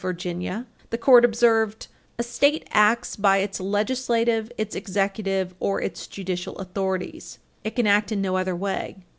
S. 347 (1880), the Court observed: "A State acts by its legislative, its executive, or its judicial authorities. It can act in no other way."